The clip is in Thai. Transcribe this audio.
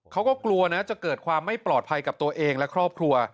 เขาก็กลัวนะจะเกิดความไม่ปลอดภัยกับตัวเองและครอบครัว